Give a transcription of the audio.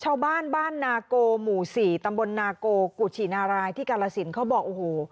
ชาวบ้านบ้านนาโกหมู่๔ตำบลนาโกกุชินารายที่กาลสินเขาบอกโอ้โห